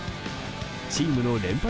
チームの連敗